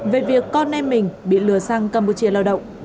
về việc con em mình bị lừa sang campuchia lao động